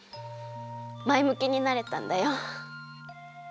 まえむきになれたんだよ。